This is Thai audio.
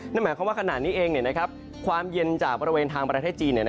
นั่นหมายความว่าขณะนี้เองความเย็นจากบริเวณทางประเทศจีน